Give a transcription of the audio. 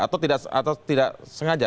atau tidak sengaja atau secara